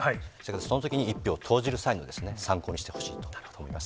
そのときに１票を投じる際には参考にしてほしいと思います。